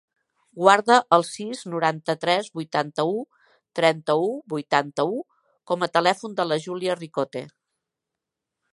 Guarda el sis, noranta-tres, vuitanta-u, trenta-u, vuitanta-u com a telèfon de la Júlia Ricote.